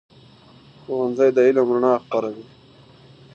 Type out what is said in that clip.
ښوونځی د علم رڼا خپروي.